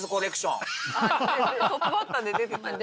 トップバッターで出てたよね。